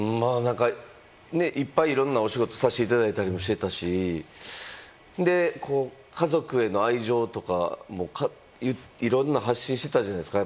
いっぱい、いろんなお仕事させてもらったりもしましたし、家族への愛情とか、いろんな発信してたじゃないですか。